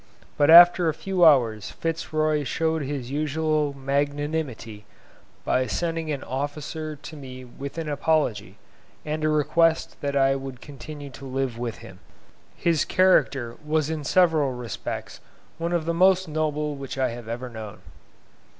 But after a few hours Fitz Roy showed his usual magnanimity by sending an officer to me with an apology and a request that I would continue to live with him. His character was in several respects one of the most noble which I have ever known.